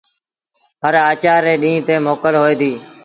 هر آچآر ري ڏيٚݩهݩ تي موڪل هوئي ديٚ۔